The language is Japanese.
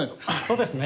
そうですね。